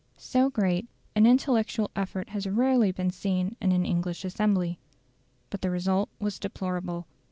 So great an intellectual effort has rarely been seen in an English assembly. But the result was deplorable.